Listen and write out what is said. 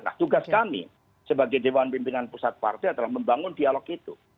nah tugas kami sebagai dewan pimpinan pusat partai adalah membangun dialog itu